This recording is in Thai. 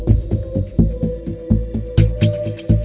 ก็ยังต้องขอบคุณครอบครัวเอง